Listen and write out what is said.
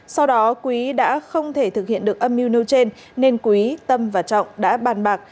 sau đó quý đã không thể thực hiện được âm mưu nêu trên nên quý tâm và trọng đã bàn bạc